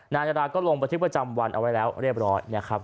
นายนาราก็ลงบันทึกประจำวันเอาไว้แล้วเรียบร้อยนะครับ